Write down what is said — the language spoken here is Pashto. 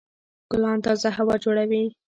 ګلان تازه هوا جوړوي.